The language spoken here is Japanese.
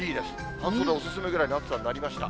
半袖お勧めぐらいの暑さになりました。